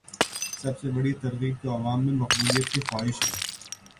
سب سے بڑی ترغیب تو عوام میں مقبولیت کی خواہش ہے۔